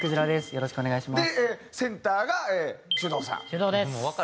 よろしくお願いします。